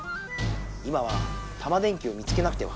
今はタマ電Ｑを見つけなくては。